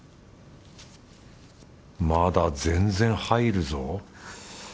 まだ全然入るぞ